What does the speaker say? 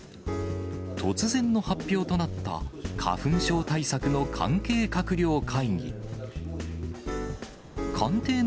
突然の発表となった花粉症対策の関係閣僚会議。